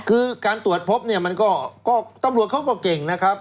คือการตรวจพบเนี่ยมันก็ตำรวจเขาก็เก่งนะครับ